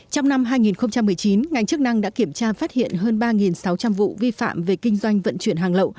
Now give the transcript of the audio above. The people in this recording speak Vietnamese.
trong năm hai nghìn một mươi chín ngành chức năng đã kiểm tra phát hiện hơn ba sáu trăm linh vụ vi phạm về kinh doanh vận chuyển hàng lậu